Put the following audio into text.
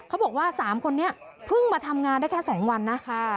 เขาบอกว่า๓คนนี้เพิ่งมาทำงานได้แค่๒วันนะ